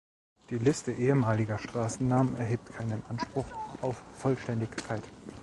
Die Liste ehemaliger Straßennamen erhebt keinen Anspruch auf Vollständigkeit.